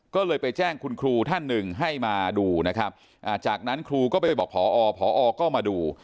ก็เลยไปแจ้งคุณครูท่านหนึ่งให้มาดูนะครับจากนั้นครูก็ไปบอกพอพอก็มาดู